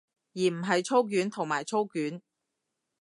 而唔係操卷同埋操卷